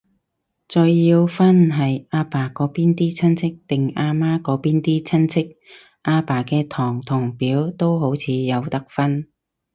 再要分係阿爸嗰邊啲親戚，定阿媽嗰邊啲親戚，阿爸嘅堂同表都好似有得分